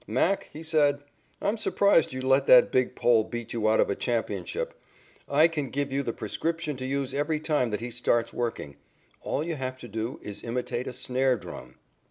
"Mac," he said, "I'm surprised you let that big Pole beat you out of a championship. I can give you the prescription to use every time that he starts working. All you have to do is to imitate a snare drum."